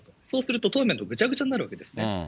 そうするとトーナメントぐちゃぐちゃになるわけですね。